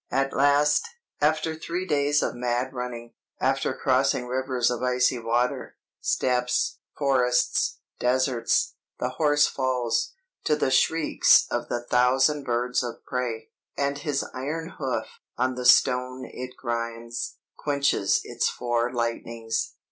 "At last, after three days of mad running, after crossing rivers of icy water, steppes, forests, deserts, the horse falls, to the shrieks of the thousand birds of prey, and his iron hoof, on the stone it grinds, quenches its four lightnings.